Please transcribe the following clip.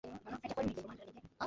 আমাদের এটা দাও!